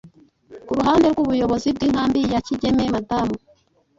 Ku ruhande rw’ubuyobozi bw’inkambi ya Kigeme Madamu